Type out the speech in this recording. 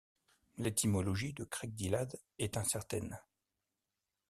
L'étymologie de Creiddylad est incertaine.